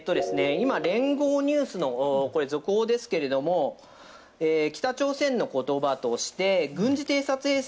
今、聯合ニュースの続報ですけれども、北朝鮮の言葉として軍事偵察衛星